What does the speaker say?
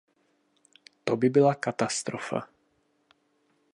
To by byla kastrofa.